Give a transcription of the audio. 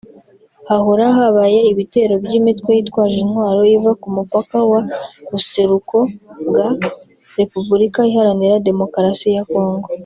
hahora habaye ibitero by’imitwe yitwaje intwaro iva ku mupaka mu buseruko bwa Repubulika iharanira Demokarasi ya Congo